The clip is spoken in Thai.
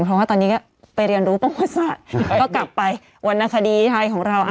เพราะว่าตอนนี้ก็ไปเรียนรู้ประวัติศาสตร์ก็กลับไปวรรณคดีไทยของเรา